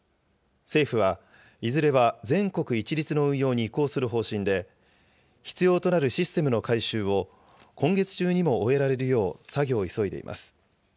政府は、いずれは全国一律の運用に移行する方針で、必要となるシステムの改修を今月中にも終えられるよう作業を急いでいます。